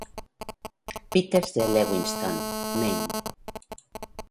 Peters de Lewiston, Maine.